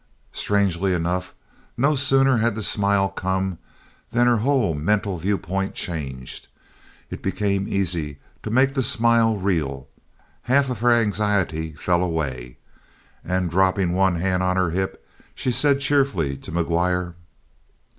Strangely enough, no sooner had the smile come than her whole mental viewpoint changed. It became easy to make the smile real; half of her anxiety fell away. And dropping one hand on her hip, she said cheerfully to McGuire.